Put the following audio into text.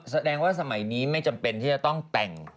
แสดงว่าสมัยนี้ไม่จำเป็นที่จะต้องแต่ง